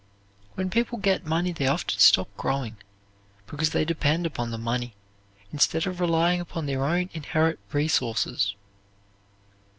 When people get money they often stop growing because they depend upon the money instead of relying upon their own inherent resources.